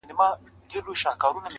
په كوڅو كي يې زموږ پلونه بېګانه دي!!